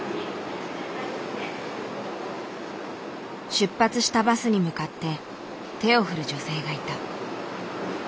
出発したバスに向かって手を振る女性がいた。